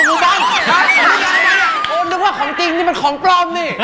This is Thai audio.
รู้คุณฮะของจริงมันของปลอมนี่